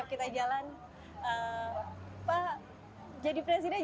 meminta bapak jadi calon presiden